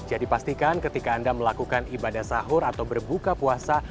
jadi pastikan ketika anda melakukan ibadah sahur atau berbuka puasa